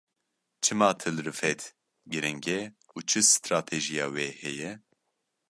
Çima Til Rifet giring e û çi stratejiya wê heye?.